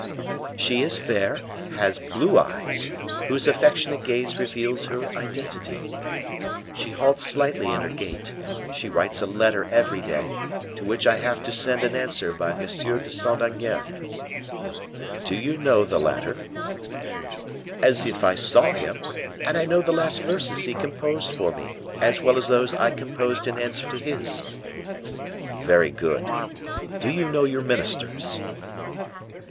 "She is fair, has blue eyes, whose affectionate gaze reveals her identity. She halts slightly in her gait; she writes a letter every day, to which I have to send an answer by M. de Saint Aignan." "Do you know the latter?" "As if I saw him, and I know the last verses he composed for me, as well as those I composed in answer to his." "Very good. Do you know your ministers?"